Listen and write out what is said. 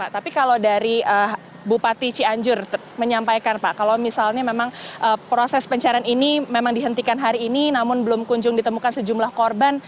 tapi kalau dari bupati cianjur menyampaikan pak kalau misalnya memang proses pencarian ini memang dihentikan hari ini namun belum kunjung ditemukan sejumlah korban